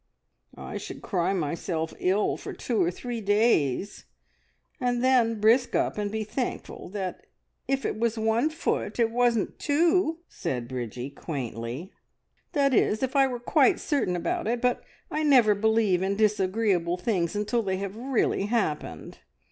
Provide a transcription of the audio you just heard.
"I should cry myself ill for two or three days, and then brisk up and be thankful that if it was one foot, it wasn't two!" said Bridgie quaintly. "That is, if I were quite certain about it, but I never believe in disagreeable things until they have really happened.